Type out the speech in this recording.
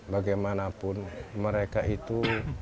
bagaimanapun mereka itu